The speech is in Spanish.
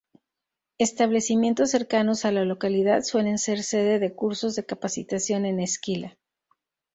Establecimientos cercanos a la localidad suelen ser sede de cursos de capacitación en esquila.